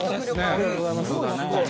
ありがとうございます。